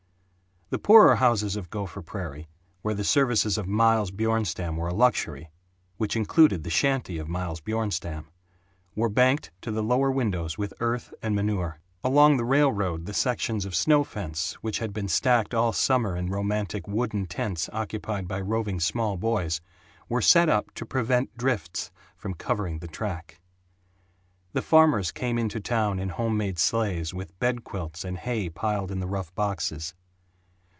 The poorer houses of Gopher Prairie, where the services of Miles Bjornstam were a luxury which included the shanty of Miles Bjornstam were banked to the lower windows with earth and manure. Along the railroad the sections of snow fence, which had been stacked all summer in romantic wooden tents occupied by roving small boys, were set up to prevent drifts from covering the track. The farmers came into town in home made sleighs, with bed quilts and hay piled in the rough boxes.